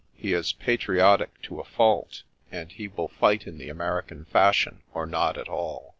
He is patriotic to a fault, and he will fight in the American fashion or not at all.